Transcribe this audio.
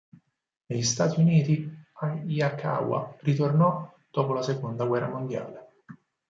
Negli Stati Uniti, Hayakawa ritornò dopo la seconda guerra mondiale.